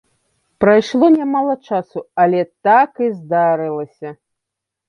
Прайшло нямала часу, але так і здарылася!